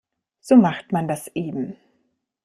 So macht man das eben.